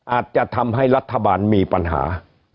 อาจจะทำให้รัฐบาลมีปัญหา